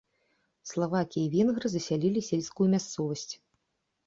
Славакі і венгры засялілі сельскую мясцовасць.